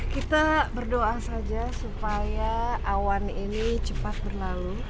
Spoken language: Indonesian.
kita berdoa saja supaya awan ini cepat berlalu